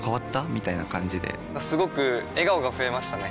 みたいな感じですごく笑顔が増えましたね！